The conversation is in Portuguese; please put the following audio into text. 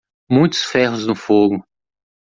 Muitos ferros no fogo.